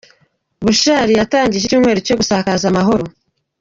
Bushali yatangije icyumweru cyo gusakaza amahoro